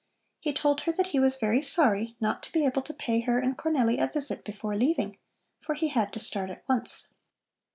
He told her that he was very sorry not to be able to pay her and Cornelli a visit before leaving, for he had to start at once.